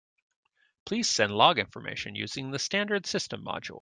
Please send log information using the standard system module.